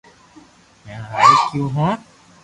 ھين ھاي ڪيو ھون